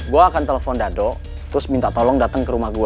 gue akan telepon dado terus minta tolong datang ke rumah gue